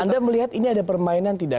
anda melihat ini ada permainan tidak